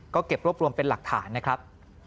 ก็เก็บรวบรวมเป็นหลักฐานนะครับ